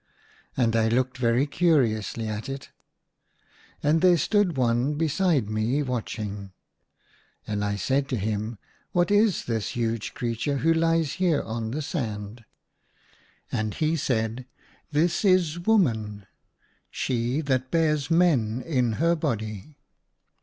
And I looked very curiously at it. And there stood one beside me watch ing. And I said to him, " What is this huge creature who lies here on the sand .*" And he said, *' This is woman ; she that bears men in her body."